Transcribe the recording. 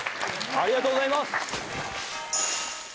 ありがとうございます。